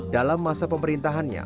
dalam masa pemerintahannya